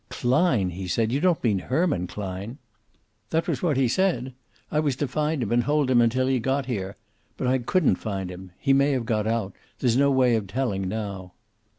"Klein!" he said. "You don't mean Herman Klein?" "That was what he said. I was to find him and hold him until he got here. But I couldn't find him. He may have got out. There's no way of telling now."